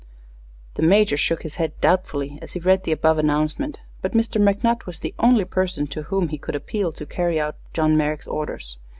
The Major shook his head doubtfully as he read the above announcement; but Mr. McNutt was the only known person to whom he could appeal to carry out John Merrick's orders.